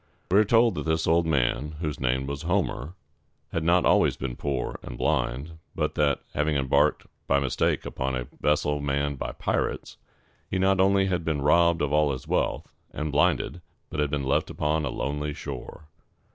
We are told that this old man, whose name was Ho´mer, had not always been poor and blind, but that, having embarked by mistake upon a vessel manned by pirates, he not only had been robbed of all his wealth, and blinded, but had been left upon a lonely shore.